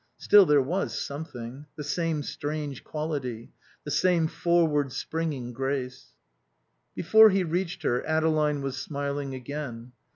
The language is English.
Still, there was something; the same strange quality; the same forward springing grace. Before he reached her, Adeline was smiling again.